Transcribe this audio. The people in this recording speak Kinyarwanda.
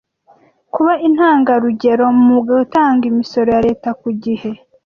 kuba intangarugero mu gutanga imisoro ya leta ku gihe